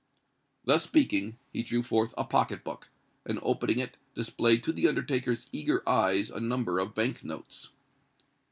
Thus speaking, he drew forth a pocket book, and, opening it, displayed to the undertaker's eager eyes a number of Bank notes.